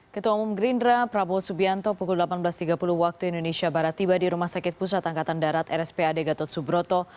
ketua umum gerindra prabowo subianto pukul delapan belas tiga puluh waktu indonesia barat tiba di rumah sakit pusat angkatan darat rspad gatot subroto